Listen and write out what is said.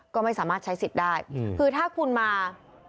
ก็ไม่สามารถใช้สิทธิ์ได้คือถ้าคุณมา